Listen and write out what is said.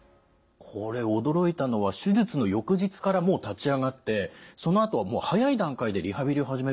これ驚いたのは手術の翌日からもう立ち上がってそのあとはもう早い段階でリハビリを始めるんですね。